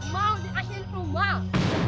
mau di asin rumah